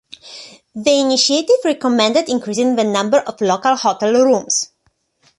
The initiative recommended increasing the number of local hotel rooms.